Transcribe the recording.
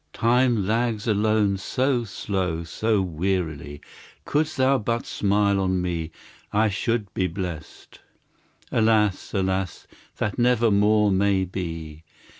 Time lags alone so slow, so wearily; Couldst thou but smile on me, I should be blest. Alas, alas! that never more may be.